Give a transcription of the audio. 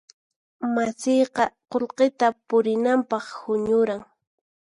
Masiyqa qullqita purinanpaq huñuran.